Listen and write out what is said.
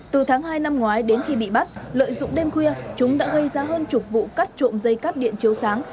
từ tháng hai năm ngoái đến khi bị bắt lợi dụng đêm khuya chúng đã gây ra hơn chục vụ cắt trộm dây cắp điện chiếu sáng